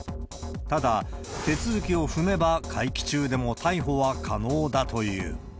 ただ、手続きを踏めば、会期中でも逮捕は可能だという。